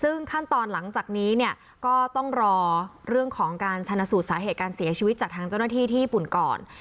ซึ่งขั้นตอนหลังจากนี้เนี่ยก็ต้องรอเรื่องของการชนะสูตรสาเหตุการเสียชีวิตจากทางเจ้าหน้าที่ที่ญี่ปุ่นก่อน